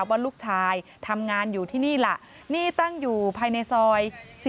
ว่าลูกชายทำงานอยู่ที่นี่ล่ะนี่ตั้งอยู่ภายในซอย๔